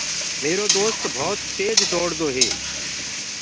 ميرو دوست ڀوت تيج دوڙ دو هي۔